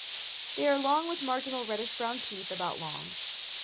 They are long with marginal reddish brown teeth about long.